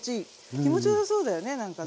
気持ちよさそうだよねなんかね。